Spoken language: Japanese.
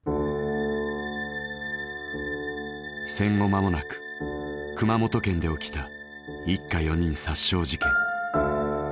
戦後まもなく熊本県で起きた一家四人殺傷事件。